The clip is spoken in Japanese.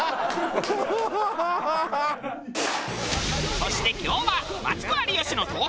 そして今日はマツコ有吉のトーク